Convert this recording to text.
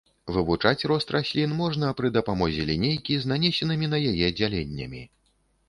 Вывучаць рост раслін можна пры дапамозе лінейкі з нанесенымі на яе дзяленнямі.